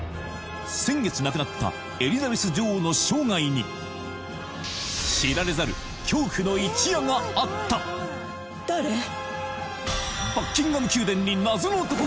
先月亡くなったエリザベス女王の生涯に知られざるがあったが侵入！